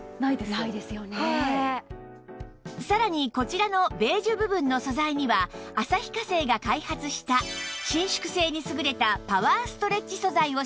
さらにこちらのベージュ部分の素材には旭化成が開発した伸縮性に優れたパワーストレッチ素材を使用